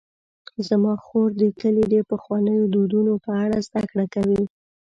زما خور د کلي د پخوانیو دودونو په اړه زدهکړه کوي.